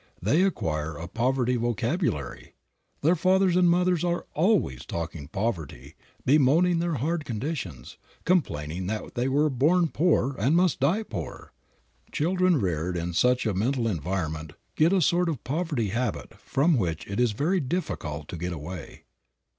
They acquire a poverty vocabulary. Their fathers and mothers are always talking poverty, bemoaning their hard conditions, complaining that they were born poor, and must die poor. Children reared in such a mental environment get a sort of poverty habit from which it is very difficult to get away.